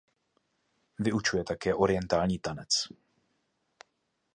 Vyučuje také orientální tanec.